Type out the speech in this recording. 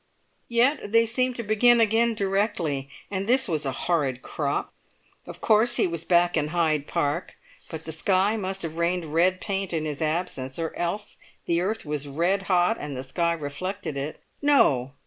Yet they seemed to begin again directly, and this was a horrid crop! Of course he was back in Hyde Park; but the sky must have rained red paint in his absence, or else the earth was red hot and the sky reflected it. No!